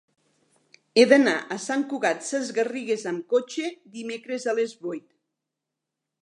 He d'anar a Sant Cugat Sesgarrigues amb cotxe dimecres a les vuit.